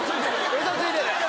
ウソついてる！